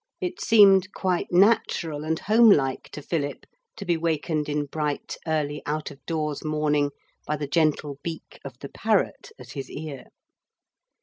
It seemed quite natural and homelike to Philip to be wakened in bright early out of door's morning by the gentle beak of the parrot at his ear.